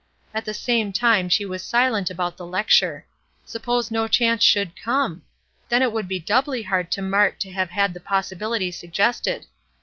At the same time she was silent about the lecture. Suppose no chance should come? Then it would be doubly hard to Mart to have had the possibility suggested.